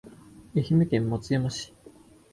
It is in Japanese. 愛媛県松山市